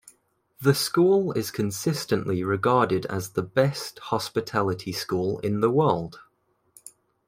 The school is consistently regarded as the best hospitality school in the world.